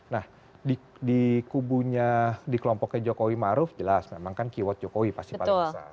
nah di kubunya di kelompoknya jokowi maruf jelas memang kan keyword jokowi pasti paling besar